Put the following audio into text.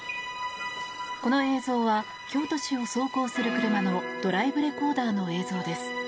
この映像は京都市を走行する車のドライブレコーダーの映像です。